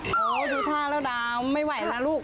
โอ้โฮดูท่าแล้วไม่ไหวนะลูก